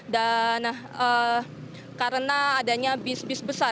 dan karena adanya bis bis besar